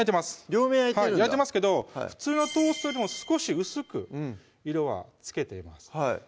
両面焼いてるんだ焼いてますけど普通のトーストよりも少し薄く色はつけています